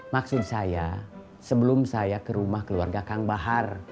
maksud saya sebelum saya ke rumah keluarga kang bahar